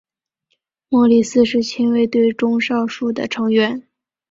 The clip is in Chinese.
莫里斯是亲卫队中少数的成员。